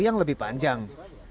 yang lebih panjang